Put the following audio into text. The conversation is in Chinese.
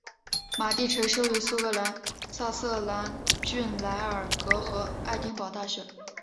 马地臣生于苏格兰萨瑟兰郡莱尔格和爱丁堡大学。